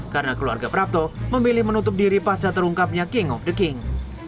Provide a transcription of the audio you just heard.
karena keluarga prapto memilih menutup diri pasca terungkapnya king of the king